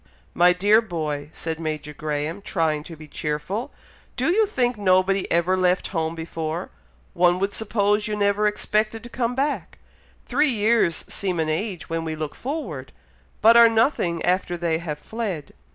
"My dear boy!" said Major Graham, trying to be cheerful; "do you think nobody ever left home before? One would suppose you never expected to come back! Three years seem an age when we look forward, but are nothing after they have fled.